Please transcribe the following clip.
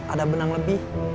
ada benang lebih